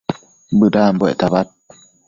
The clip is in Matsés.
bëdambuec tabad